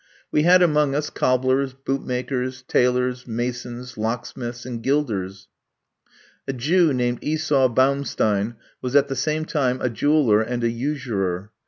We had among us cobblers, bootmakers, tailors, masons, locksmiths, and gilders. A Jew named Esau Boumstein was at the same time a jeweller and a usurer.